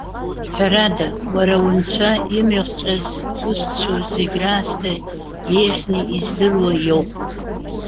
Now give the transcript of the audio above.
Ҳәарада, уара Унцәа имҩахҟьаз зусҭцәоу зегь раасҭа иеиӷьны издыруа иоуп.